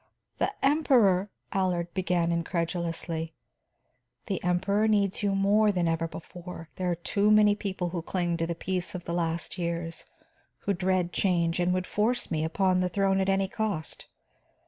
"The Emperor " Allard began incredulously. "The Emperor needs you more than ever before. There are too many people who cling to the peace of the last years, who dread change and would force me upon the throne at any cost.